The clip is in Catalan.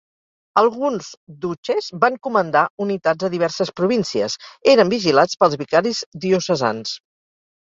Alguns duces van comandar unitats a diverses províncies: eren vigilats pels vicaris diocesans.